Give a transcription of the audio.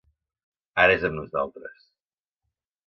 Ara és amb nosaltres.